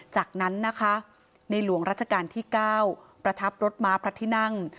จากนั้นนะคะในหลวงราชการที่๙ประทับรถม้าพระที่นั่ง